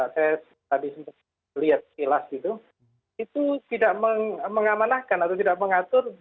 saya tadi lihat kelas gitu itu tidak mengamanahkan atau tidak mengatur